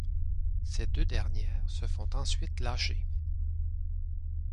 Ces deux dernières se font ensuite lâchées.